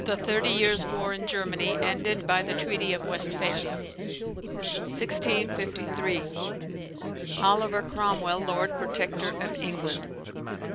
The Thirty Years' War in Germany ended by the treaty of Westphalia. 1653. Oliver Cromwell lord protector of England.